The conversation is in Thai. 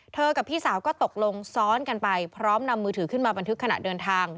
กับพี่สาวก็ตกลงซ้อนกันไปพร้อมนำมือถือขึ้นมาบันทึกขณะเดินทาง